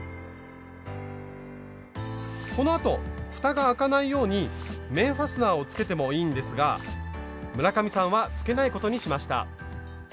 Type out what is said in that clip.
このあとふたが開かないように面ファスナーをつけてもいいんですが村上さんはつけないことにしました。